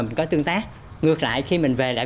mình có tương tác ngược lại khi mình về lại